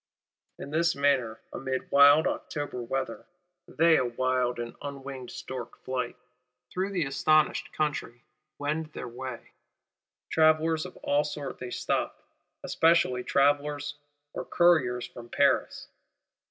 In this manner, amid wild October weather, they a wild unwinged stork flight, through the astonished country, wend their way. Travellers of all sorts they stop; especially travellers or couriers from Paris.